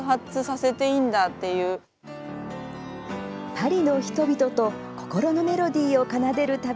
パリの人々と心のメロディーを奏でる旅。